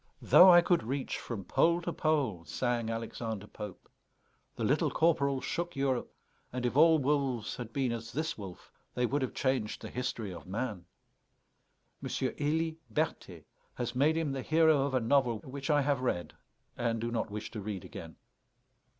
"Though I could reach from pole to pole," sang Alexander Pope; the Little Corporal shook Europe; and if all wolves had been as this wolf they would have changed the history of man. M. Élie Berthet has made him the hero of a novel, which I have read, and do not wish to read again.